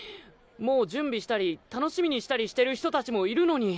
もう準備したり楽しみにしたりしてる人達もいるのに。